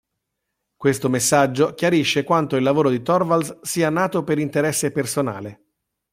Questo messaggio chiarisce quanto il lavoro di Torvalds sia nato per interesse personale.